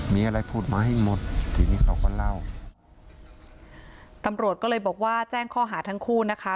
มีอะไรพูดมาให้หมดทีนี้เขาก็เล่าตำรวจก็เลยบอกว่าแจ้งข้อหาทั้งคู่นะคะ